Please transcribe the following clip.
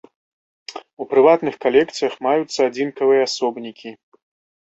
У прыватных калекцыях маюцца адзінкавыя асобнікі.